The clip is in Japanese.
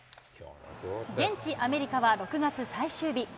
現地アメリカは６月最終日。